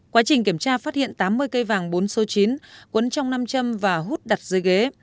quá trình kiểm tra phát hiện tám mươi cây vàng bốn số chín quấn trong năm châm và hút đặt dưới ghế